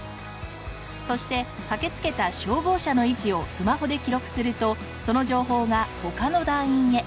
そして駆けつけた消防車の位置をスマホで記録するとその情報が他の団員へ。